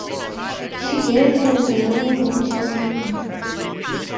She gave him the middle name Champion.